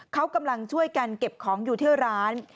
เขากำลังช่วยกันเก็บของอยู่ที่ร้าน